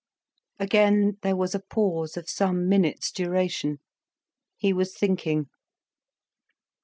Again there was a pause of some minutes' duration. He was thinking.